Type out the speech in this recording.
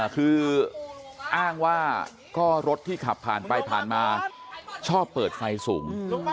คืออ้างว่าก็รถที่ขับผ่านไปผ่านมาชอบเปิดไฟสูง